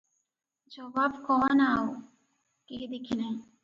ଜବାବ କଃ -ନା, ଆଉ କେହି ଦେଖି ନାହିଁ ।